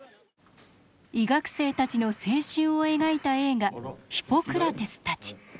医学生たちの青春を描いた映画「ヒポクラテスたち」。